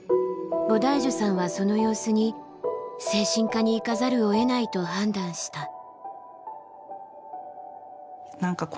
ボダイジュさんはその様子に精神科に行かざるをえないと判断した。